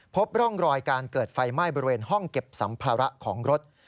พบร่องรอยการเกิดไฟไหม้บริเวณห้องเก็บสัมภาระของรถ